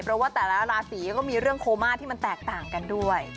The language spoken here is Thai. เพราะว่าแต่ละราศีก็มีเรื่องโคม่าที่มันแตกต่างกันด้วย